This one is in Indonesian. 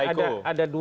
pak amad saiku